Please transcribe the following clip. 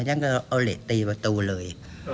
ฉันก็เอาเหล็กตีประตูเลย